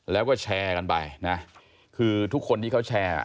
แล้วก็แชร์กันไปนะคือทุกคนที่เขาแชร์